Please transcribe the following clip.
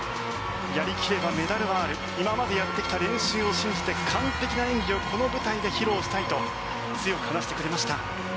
やり切ればメダルはある今までやってきた練習を信じて完璧な演技をこの舞台で披露したいと強く話してくれました。